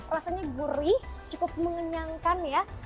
rasanya gurih cukup mengenyangkan ya